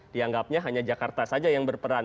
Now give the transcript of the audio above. dianggapnya hanya jakarta saja yang berperan